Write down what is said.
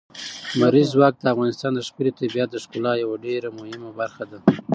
لمریز ځواک د افغانستان د ښکلي طبیعت د ښکلا یوه ډېره مهمه برخه ده.